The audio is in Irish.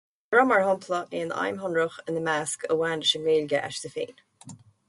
Ní raibh, mar shampla, aon aidhm shonrach ina measc a bhain leis an nGaeilge aisti féin.